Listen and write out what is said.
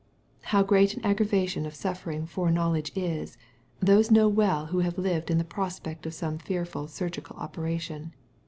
How great an aggravation of suffering fore know ledge is, those know well who have lived in the prospect of some fearful suigical operation.